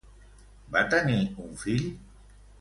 Va tenir un fill?